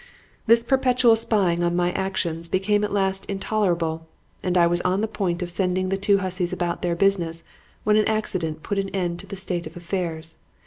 "This perpetual spying on my actions became at last intolerable and I was on the point of sending the two hussies about their business when an accident put an end to the state of affairs.